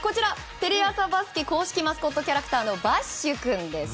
テレ朝バスケ公式マスコットキャラクターのバッシュくんです。